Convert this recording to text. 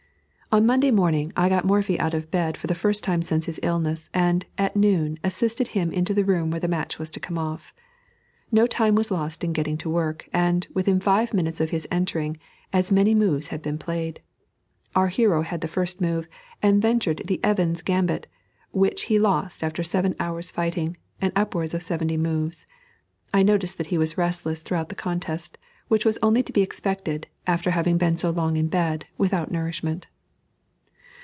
On Monday morning, I got Morphy out of bed for the first time since his illness, and, at noon, assisted him into the room where the match was to come off. No time was lost in getting to work, and, within five minutes of his entering, as many moves had been played. Our hero had first move, and ventured the Evans' gambit, which he lost after seven hours' fighting, and upwards of seventy moves. I noticed that he was restless throughout the contest, which was only to be expected after having been so long in bed, and without nourishment.